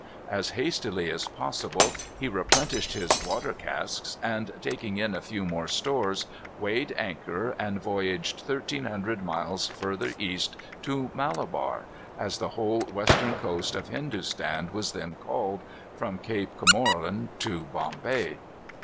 As hastily as possible he replenished his water casks, and taking in a few more stores, weighed anchor, and voyaged thirteen hundred miles farther east to Malabar, as the whole western coast of Hindostan was then called, from Cape Comorin to Bombay.